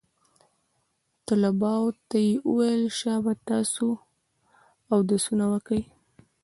طلباو ته يې وويل شابه تاسې اودسونه وكئ.